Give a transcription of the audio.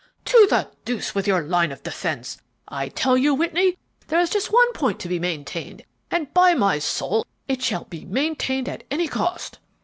"To the deuce with your line of defence! I tell you, Whitney, there is just one point to be maintained, and, by my soul, it shall be maintained at any cost!"